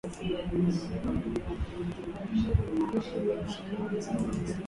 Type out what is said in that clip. kwa mara ya kwanza miongoni mwa ngamia mnamo mwaka